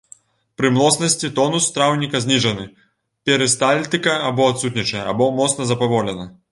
Пры млоснасці тонус страўніка зніжаны, перыстальтыка або адсутнічае, або моцна запаволена.